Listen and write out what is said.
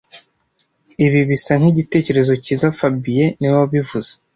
Ibi bisa nkigitekerezo cyiza fabien niwe wabivuze